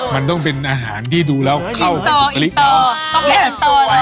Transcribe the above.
มันต้องเป็นอาหารที่ดูแล้วเข้าจากโซน